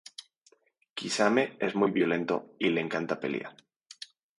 Kisame es muy violento y le encanta pelear.